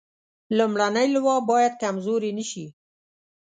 لومړنۍ لواء باید کمزورې نه شي.